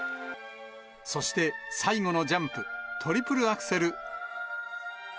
そして、最後のジャンプ、トリプルアクセル。